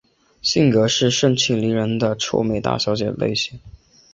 性格是盛气凌人的臭美大小姐类型。